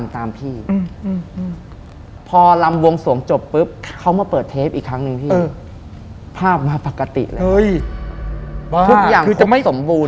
ทุกอย่างครบสมบูรณ์